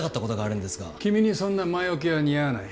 君にそんな前置きは似合わない。